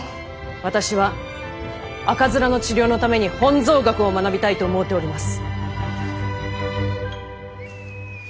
私は赤面の治療のために本草学を学びたいと思うております。